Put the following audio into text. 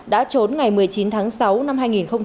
đã trốn ngày một mươi chín tháng sáu năm hai nghìn hai mươi ba